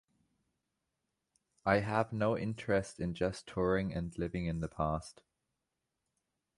I have no interest in just touring, and living in the past.